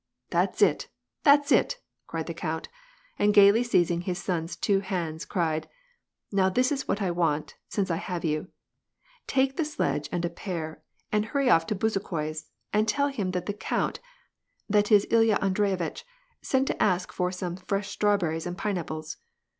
" That's it, that's it," cried the count, and gayly seizing hi son's two hands cried :" Now this is what I want, since have you. Take the sledge and pair and hurry off to Bezu khoi's and tell him that the count, that is Ilya Andreyitch sent to ask for some fresh strawberries and pineapples.